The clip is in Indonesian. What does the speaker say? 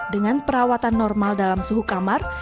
dengan perawatan normal dalam suhu kamar